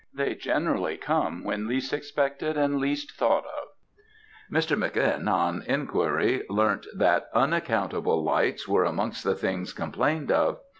They generally come when least expected and least thought of. "Mr. Mc. N., on inquiry, learnt that unaccountable lights were amongst the things complained of.